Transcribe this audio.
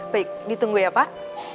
baik ditunggu ya pak